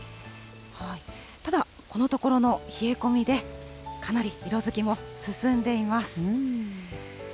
ただ、このところの冷え込みで、かなり色づきも進んでいます。